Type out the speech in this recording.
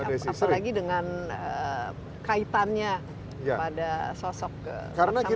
apalagi dengan kaitannya pada sosok kesamana yang muslim